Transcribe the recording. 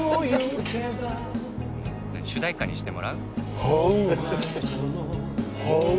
主題歌にしてもらう？